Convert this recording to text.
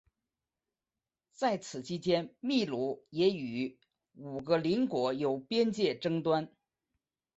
在此期间秘鲁也与五个邻国有边界争端。